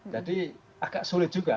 jadi agak sulit juga